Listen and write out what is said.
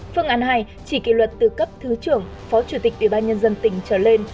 phương án hai chỉ kỷ luật từ cấp thứ trưởng phó chủ tịch ubnd tỉnh trở lên